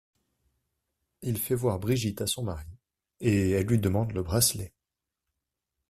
Il fait voir Brigitte à son mari et elle lui demande le bracelet.